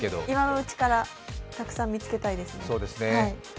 今のうちからたくさん見つけたいです。